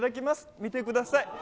見てください。